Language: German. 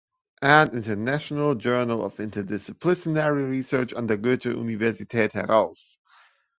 An International Journal of Interdisciplinary Research" an der Goethe-Universität heraus.